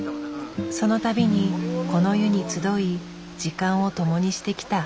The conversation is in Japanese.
その度にこの湯に集い時間をともにしてきた。